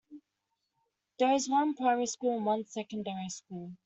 There is one primary school and one secondary school.